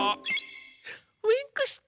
ウインクした。